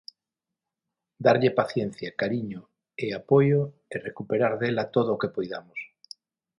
Darlle paciencia, cariño e apoio e recuperar dela todo o que poidamos.